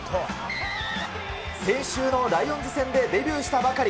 先週のラインズ戦でデビューしたばかり。